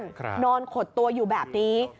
นอนขดตัวอยู่แบบนี้